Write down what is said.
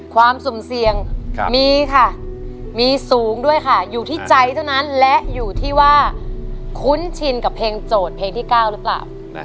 ความสุ่มเสี่ยงมีค่ะมีสูงด้วยค่ะอยู่ที่ใจเท่านั้นและอยู่ที่ว่าคุ้นชินกับเพลงโจทย์เพลงที่๙หรือเปล่า